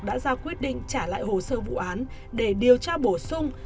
đã ra quyết định trả lại hồ sơ vụ án để điều tra bổ sung